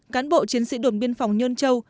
cán bộ chiến sĩ đồn biên phòng nhân châu